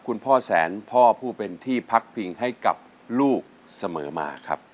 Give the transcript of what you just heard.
คุณพ่อแสนพ่อผู้เป็นที่พักพิงให้กับลูกเสมอมาครับ